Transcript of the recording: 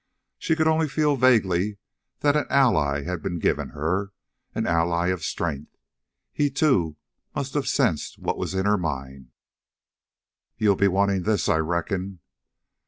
She could only feel vaguely that an ally had been given her, an ally of strength. He, too, must have sensed what was in her mind. "You'll be wanting this, I reckon."